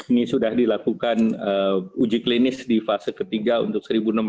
ini sudah dilakukan uji klinis di fase ketiga untuk satu enam ratus